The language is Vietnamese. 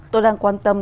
tôi đang quan tâm